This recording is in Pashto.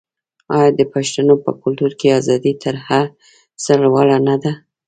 آیا د پښتنو په کلتور کې ازادي تر هر څه لوړه نه ده؟